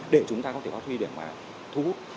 để chúng ta có thể phát huy để mà thu hút